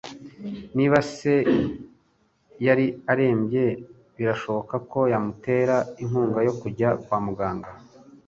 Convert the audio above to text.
Niba se yari arembye, birashoboka ko yamutera inkunga yo kujya kwa muganga.